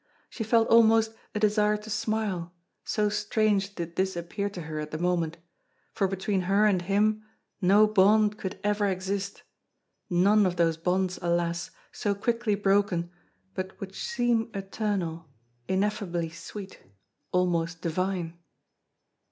She felt almost a desire to smile, so strange did this appear to her at the moment, for between her and him no bond could ever exist, none of those bonds alas! so quickly broken, but which seem eternal, ineffably sweet, almost divine.